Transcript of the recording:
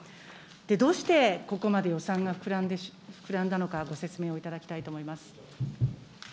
どうしてここまで予算が膨らんだのか、ご説明をいただきたいと思います。